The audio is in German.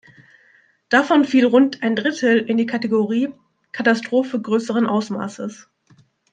Davon fiel rund ein Drittel in die Kategorie "Katastrophe größeren Ausmaßes".